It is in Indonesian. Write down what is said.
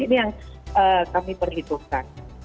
ini yang kami perhitungkan